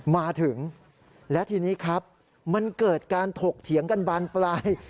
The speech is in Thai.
มาถึงและทีนี้ครับมันเกิดการถกเถียงกันบานปลาย